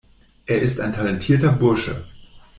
Er ist ein talentierter Bursche.